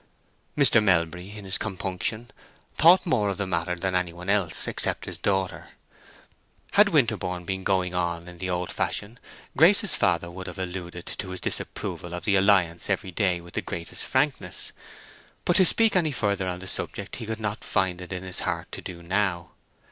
Mr. Melbury, in his compunction, thought more of the matter than any one else, except his daughter. Had Winterborne been going on in the old fashion, Grace's father could have alluded to his disapproval of the alliance every day with the greatest frankness; but to speak any further on the subject he could not find it in his heart to do now.